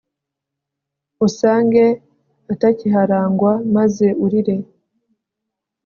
usange atakiharangwa maze urire